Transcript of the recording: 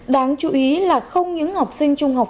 đáng chú ý là không những học sinh trung học